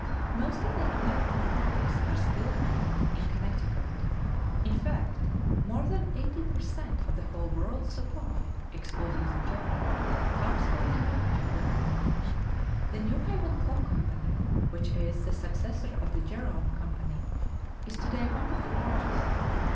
Most of the American clocks are still made in Connecticut; in fact, more than eighty per cent of the whole world's supply (excluding the German) comes from the Naugatuck Valley. The New Haven Clock Company, which is the successor of the Jerome Company, is to day one of the largest.